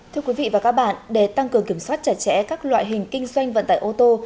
thưa quý vị và các bạn để tăng cường kiểm soát chặt chẽ các loại hình kinh doanh vận tải ô tô